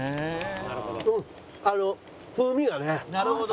「なるほど」